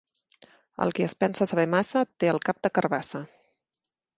El qui es pensa saber massa té el cap de carabassa.